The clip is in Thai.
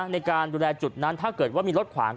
ในการดูแลจุดนั้นถ้าเกิดว่ามีรถขวาง